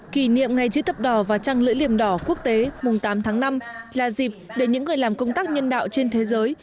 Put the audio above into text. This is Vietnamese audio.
kỷ niệm ngày chữ thập đỏ và trăng lưỡi liềm đỏ quốc tế mùng tám tháng năm là dịp để những người làm công tác nhân đạo trên thế giới